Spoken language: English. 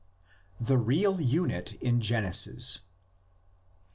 THE REAL UNIT IN GENESIS.